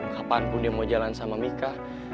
kapanpun dia mau jalan sama mika